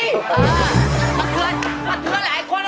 ปัดเคือดปัดเคือดแล้วไอ้คน